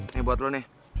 nih buat lu nih